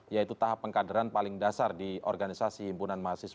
yaitu tahap pengkaderan paling dasar di organisasi himpunan mahasiswa